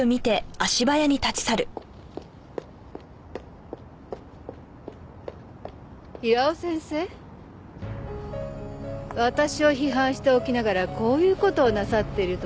私を批判しておきながらこういう事をなさっているとは。